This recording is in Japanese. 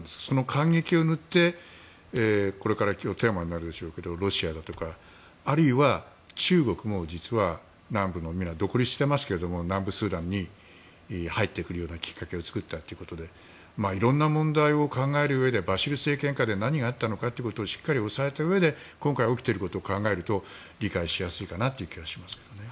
間隙を縫って、これからテーマになるでしょうけどロシアだとか、あるいは中国も実は、今は独立してますけど南部スーダンに入ってくるようなきっかけを作ったということでいろんな問題を考えるうえでバシル政権下で何があったのかということをしっかり押さえたうえで今回起きていることを考えると理解しやすいかなと思います。